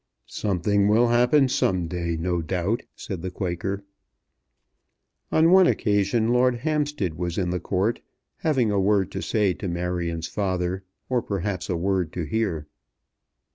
"Something will happen some day, no doubt," said the Quaker. On one occasion Lord Hampstead was in the Court having a word to say to Marion's father, or, perhaps, a word to hear.